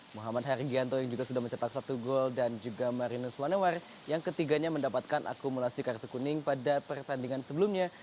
muhammad hargianto yang juga sudah mencetak satu gol dan juga marinus wanawar yang ketiganya mendapatkan akumulasi kartu kuning pada pertandingan sebelumnya